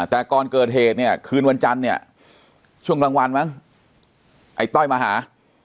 แต่ก่อนเกิดเหตุเนี่ยคืนวันจันทร์เนี่ยช่วงกลางวันมั้งไอ้ต้อยมาหา